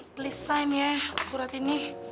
please sign ya surat ini